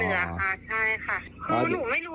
ทามากานเราเนี้ยน่ะ